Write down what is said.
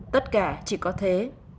tất cả chỉ có thế